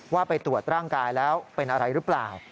ว่าไปตรวจร่างกายแล้วเป็นอะไรหรือเปล่า